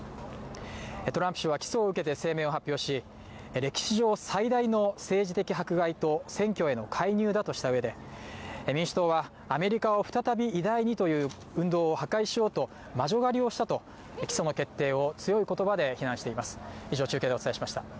トランプ氏は、起訴を受けて声明を発表し、歴史上最大の政治的迫害と選挙への介入だとしたうえで民主党はアメリカを再び偉大にという運動を破壊しようと魔女狩りをしたと起訴の決定を強い言葉で非難しています。